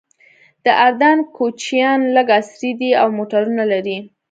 د اردن کوچیان لږ عصري دي او موټرونه لري.